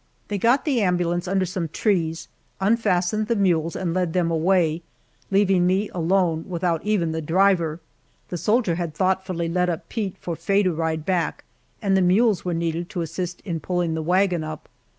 They got the ambulance under some trees, unfastened the mules and led them away, leaving me alone, without even the driver. The soldier had thoughtfully led up Pete for Faye to ride back, and the mules were needed to assist in pulling the wagon up.